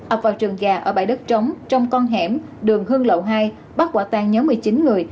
ập vào trường gà ở bãi đất trống trong con hẻm đường hương lậu hai bắt quả tan nhóm một mươi chín người